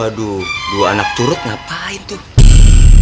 waduh dua anak turut ngapain tuh